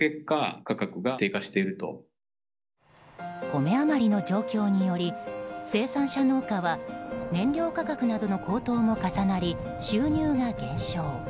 米余りの状況により生産者農家は燃料価格などの高騰も重なり収入が減少。